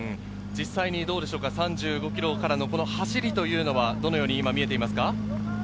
実際にどうでしょうか、３５ｋｍからの走りは、どのように見えていますか？